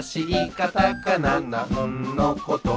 カタカナなんのこと？」